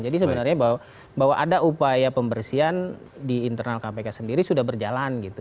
jadi sebenarnya bahwa ada upaya pembersihan di internal kpk sendiri sudah berjalan gitu